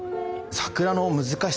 桜の難しさ